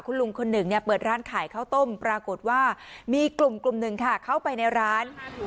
คุณลุงคนหนึ่งเนี่ยเปิดร้านขายข้าวต้มปรากฏว่ามีกลุ่มหนึ่งค่ะเข้าไปในร้าน